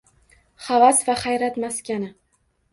Havas va hayrat maskani